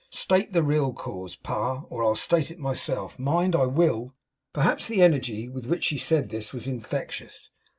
'State the real cause, Pa, or I'll state it myself. Mind! I will!' Perhaps the energy with which she said this was infectious.